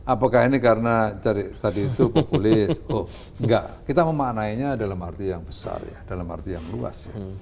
apakah ini karena tadi itu populis oh enggak kita memaknainya dalam arti yang besar ya dalam arti yang luas ya